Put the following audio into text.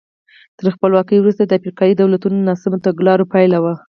تر خپلواکۍ وروسته د افریقایي دولتونو ناسمو تګلارو پایله وه.